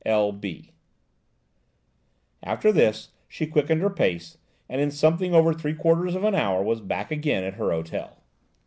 –L. B." After this, she quickened her pace, and in something over three quarters of an hour was back again at her hotel.